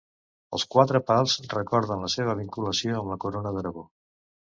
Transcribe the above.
Els quatre pals recorden la seva vinculació amb la Corona d'Aragó.